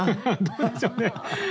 どうでしょうね。